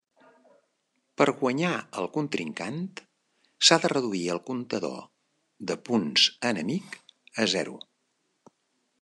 Per guanyar el contrincant s'ha de reduir el comptador de punts enemic a zero.